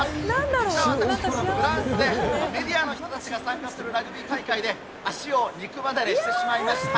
実は私、フランスでメディアの人たちが参加するラグビー大会で、足を肉離れしてしまいました。